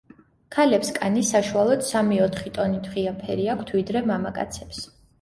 ქალებს კანი, საშუალოდ, სამი-ოთხი ტონით ღია ფერი აქვთ, ვიდრე მამაკაცებს.